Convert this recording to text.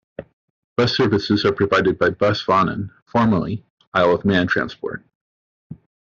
Bus services are provided by Bus Vannin, formerly Isle of Man Transport.